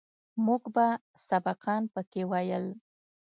موږ به سبقان پکښې ويل.